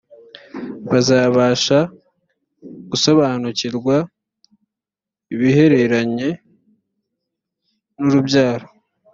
bazabashe gusobanukirwa ibihereranye n’urubyaro